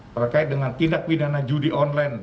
terkait dengan tindak pidana judi online